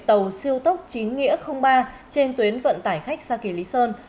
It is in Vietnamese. tàu siêu tốc chín nghĩa ba trên tuyến vận tải khách xa kỳ lý sơn